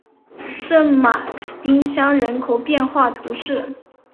圣马丁乡人口变化图示